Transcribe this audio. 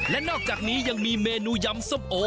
และนอกจากนี้ยังมีเมนูยำส้มโอ